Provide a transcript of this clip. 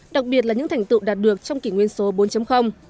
đặc biệt là những thành tựu đạt được trong kỷ nguyên số bốn